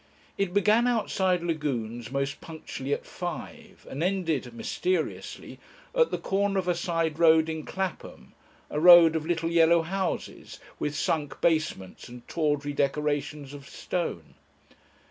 It began outside Lagune's most punctually at five, and ended mysteriously at the corner of a side road in Clapham, a road of little yellow houses with sunk basements and tawdry decorations of stone.